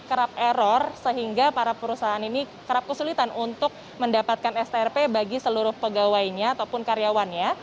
kerap error sehingga para perusahaan ini kerap kesulitan untuk mendapatkan strp bagi seluruh pegawainya ataupun karyawannya